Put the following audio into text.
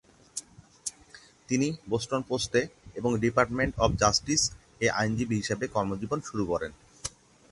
তিনি "বোস্টন পোস্টে" এবং ডিপার্টমেন্ট অফ জাস্টিস এ আইনজীবী হিসেবে কর্মজীবন শুরু করেন।